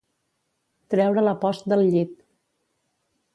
Treure la post del llit.